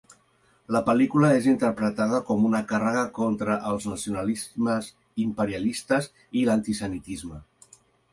La pel·lícula és interpretada com una càrrega contra els nacionalismes imperialistes i l'antisemitisme.